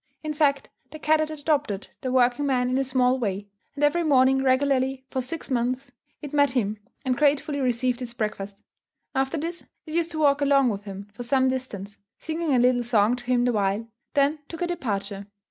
In fact, the cat had adopted the working man in a small way; and every morning regularly, for six months, it met him and gratefully received its breakfast. After this, it used to walk along with him for some distance, singing a little song to him the while, then took her departure.